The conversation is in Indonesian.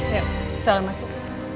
yuk setelah masuk